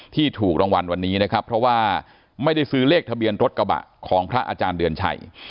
ถูกรางวัลวันนี้นะครับเพราะว่าไม่ได้ซื้อเลขทะเบียนรถกระบะของพระอาจารย์เดือนชัย